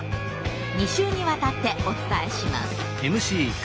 ２週にわたってお伝えします。